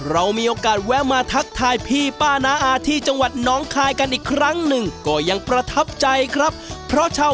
เดี๋ยวเราพักกันสักครู่นะครับช่วงหน้า